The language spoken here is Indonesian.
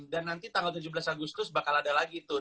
dan nanti tanggal tujuh belas agustus bakal ada lagi tuh